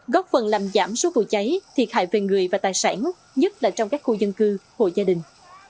góp phần làm giảm số vụ cháy thiệt hại về người và tài sản nhất là trong các khu dân cư hộ gia đình